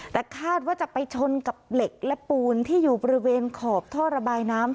แต่คาดว่าจะไปชนกับเหล็กและปูนที่อยู่บริเวณขอบท่อระบายน้ำ